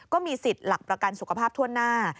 ก็มีสิทธิ์หลักประกันสุขภาพทั่วหน้า